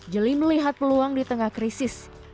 jeli melihat peluang di tengah krisis